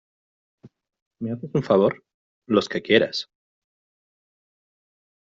¿ me haces un favor? los que quieras.